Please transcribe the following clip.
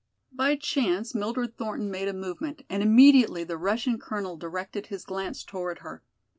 By chance Mildred Thornton made a movement and immediately the Russian colonel directed his glance toward her.